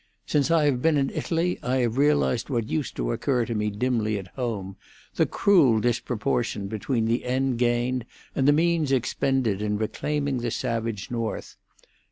Since I have been in Italy I have realised what used to occur to me dimly at home—the cruel disproportion between the end gained and the means expended in reclaiming the savage North.